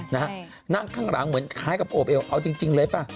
นั่งข้างหลังเหมือนคล้ายกับโอบเอวเอาจริงเลยป่ะ